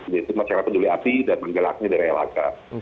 yaitu masyarakat peduli api dan menggelaknya dari lhk